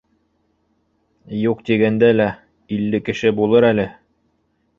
Юҡ тигәндә лә, илле кеше булыр әле.